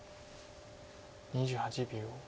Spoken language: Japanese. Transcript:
２８秒。